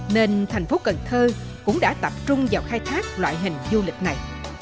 nên thành phố cần thơ cũng đã tập trung vào khai thác loại hình du lịch này